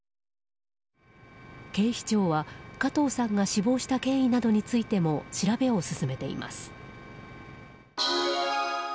警視庁は、加藤さんが死亡した経緯などについても調べを進めています。